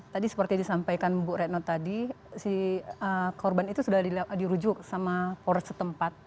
tadi seperti disampaikan bu retno tadi si korban itu sudah dirujuk sama poros setempat